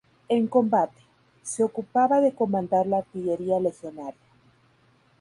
En combate, se ocupaba de comandar la artillería legionaria.